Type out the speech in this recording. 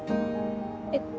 えっ？